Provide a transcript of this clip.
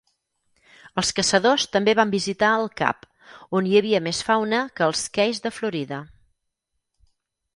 Els caçadors també van visitar el cap, on hi havia més fauna que als Keys de Florida.